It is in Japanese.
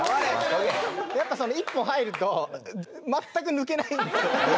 やっぱその一本入ると全く抜けないんですよ。